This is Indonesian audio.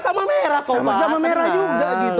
sama merah sama merah juga gitu